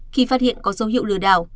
khi phát hiện có dấu hiệu lừa đảo